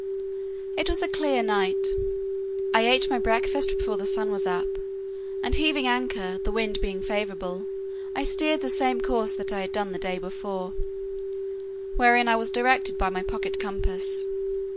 It was a clear night. I ate my breakfast before the sun was up; and heaving anchor, the wind being favourable, I steered the same course that I had done the day before, wherein I was directed by my pocket compass.